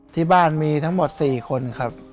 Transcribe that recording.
ที่บ้านมีทั้งหมด๔คนครับ